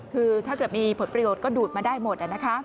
คือถ้าเกิดมีผลประโยชน์ก็ดูดมาได้หมดนะคะ